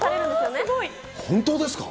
本当ですか？